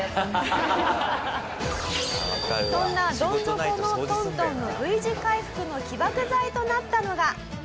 そんなどん底の東東のＶ字回復の起爆剤となったのが。